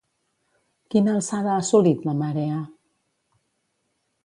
Quina alçada ha assolit, la marea?